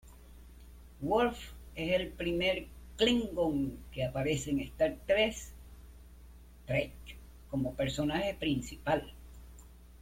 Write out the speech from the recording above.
Worf es el primer klingon que aparece en Star Trek como personaje principal.